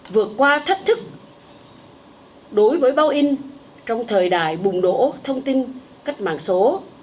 vượt qua thách thức đối với báo in trong thời đại bùng đổ thông tin cách mạng số